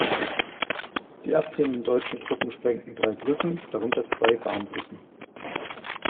Die abziehenden deutschen Truppen sprengten drei Brücken, darunter zwei Bahnbrücken.